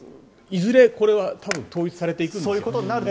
いずれ、これは多分統一されていくんでしょう。